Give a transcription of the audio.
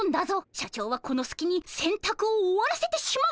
社長はこのすきにせんたくを終わらせてしまうからな。